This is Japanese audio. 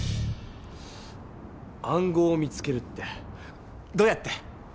暗号を見つけるってどうやって？